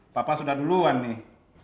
papa sudah duluan nih